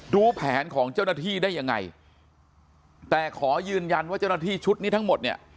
ดูแผนของเจ้าหน้าที่ได้ยังไงแต่ขอยืนยันว่าเจ้าหน้าที่ชุดนี้ทั้งหมดเนี่ย